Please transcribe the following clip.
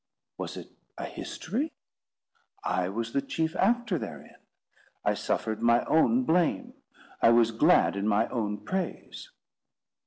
Was it a history? I was the chief actor therein. I suffered my own blame; I was glad in my own praise.